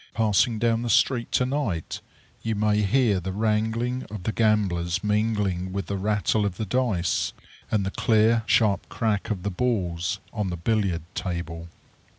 Passing down the street to night, you may hear the wrangling of the gamblers mingling with the rattle of the dice, and the clear, sharp crack of the balls on the billiard table.